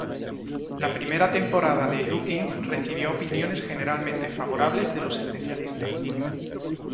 La primera temporada de "Looking" recibió opiniones generalmente favorables de los especialistas.